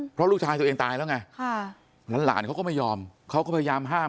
เพราะลูกชายตัวเองตายแล้วไงหลานเขาก็ไม่ยอมเขาก็พยายามห้าม